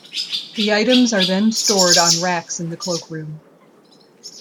The items are then stored on racks in the cloak room.